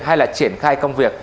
hay là triển khai công việc